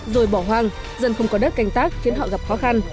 rồi bỏ hoang dân không có đất canh tác khiến họ gặp khó khăn